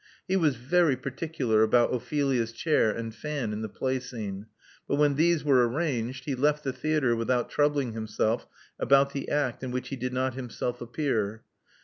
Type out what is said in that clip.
He was very particular about Ophelia's chair and fan in the play scene ; but when these were arranged, he left the theatre without troubling him self about the act in which he did not himself appear.